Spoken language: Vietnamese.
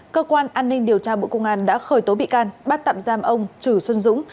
cơ quan an ninh điều tra bộ công an đã khởi tố bị can bắt tạm giam ông chử xuân dũng